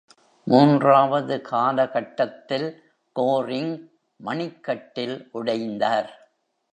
மூன்றாவது காலகட்டத்தில் கோரிங் மணிக்கட்டில் உடைந்தார்.